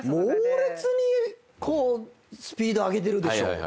猛烈にスピード上げてるでしょ。